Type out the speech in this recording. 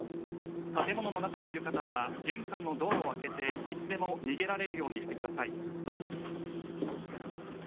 建物の中にいる方は玄関のドアを開けていつでも逃げられるようにしてください。